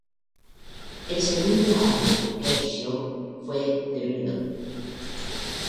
El segundo álbum de Kershaw fue "The Riddle".